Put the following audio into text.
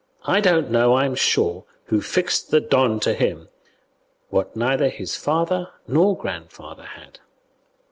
I don't know, I'm sure, who fixed the 'Don' to him, what neither his father nor grandfather ever had."